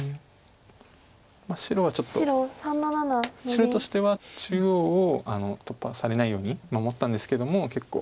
白としては中央を突破されないように守ったんですけども結構。